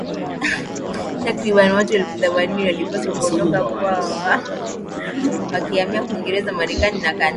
Takriban watu elfu themanini walipaswa kuondoka kwao wakihamia Uingereza Marekani na Kanada